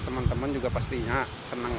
teman teman juga pastinya senang